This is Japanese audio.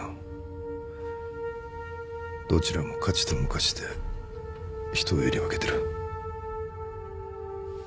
どちらも価値と無価値で人をえり分けてる。